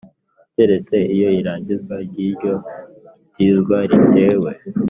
keretse iyo irangizwa ry iryo tizwa ritewe